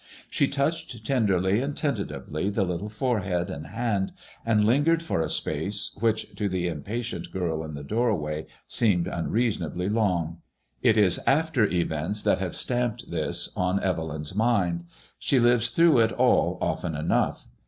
She touched tenderly and tentatively the little forehead and hand, and lingered for a space which, to the impatient girl in the doorway, seemed un reasonably long. It is after events that have stamped this on Evelyn's mind. She lives through it all often enough.